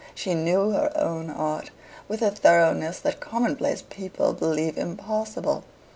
She knew her own heart with a thoroughness that commonplace people believe impossible.